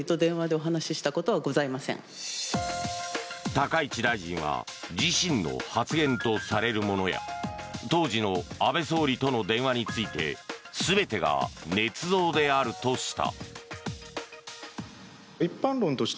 高市大臣は自身の発言とされるものや当時の安倍総理との電話について全てがねつ造であるとした。